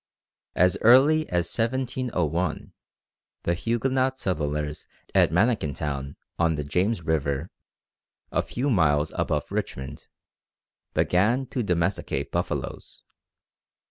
As early as 1701 the Huguenot settlers at Manikintown, on the James River, a few miles above Richmond, began to domesticate buffaloes.